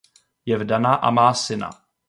Je vdaná a má syna.